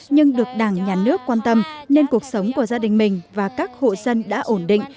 nhưng được đảng nhà nước quan tâm nên cuộc sống của gia đình mình và các hộ dân đã ổn định